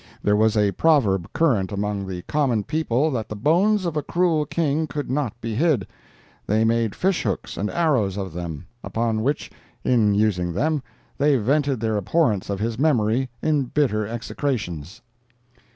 There was a proverb current among the common people that the bones of a cruel King could not be hid; they made fish hooks and arrows of them, upon which, in using them, they vented their abhorrence of his memory in bitter execrations."